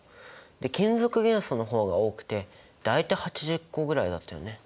金属元素の方が多くて大体８０個ぐらいだったよね。